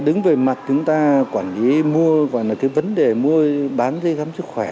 đứng về mặt chúng ta quản lý mua và là cái vấn đề mua bán giấy khám sức khỏe